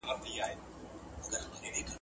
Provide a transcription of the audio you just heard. ډاکتران باید د نږدې شریانونو ساتنه وکړي.